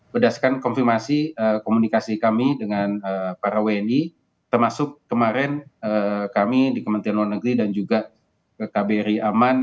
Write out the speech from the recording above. berdasarkan konfirmasi komunikasi kami dengan para wni termasuk kemarin kami di kementerian luar negeri dan juga kbri aman